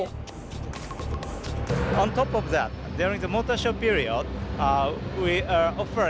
พวกเราขอขอบคุณและที่ช่วยพวกเรา